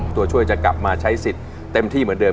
ตัวช่วยจะกลับมาใช้สิทธิ์เต็มที่เหมือนเดิ